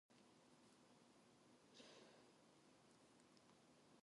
A naval air force was also in operation.